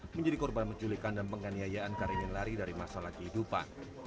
menjadi korban menculikan dan penganiayaan karena ingin lari dari masalah kehidupan